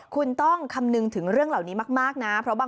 คุณต้องคำนึงถึงเรื่องเหล่านี้มากนะ